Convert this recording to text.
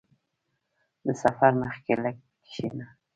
• د سفر مخکې لږ کښېنه.